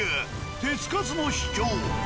手付かずの秘境